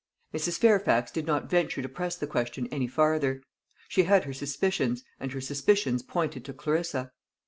Mrs. Fairfax did not venture to press the question any farther. She had her suspicions, and her suspicions pointed to Clarissa.